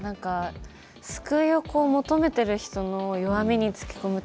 救いを求めている人の弱みにつけ込むって